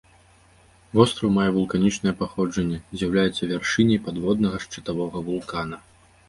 Востраў мае вулканічнае паходжанне, з'яўляецца вяршыняй падводнага шчытавога вулкана.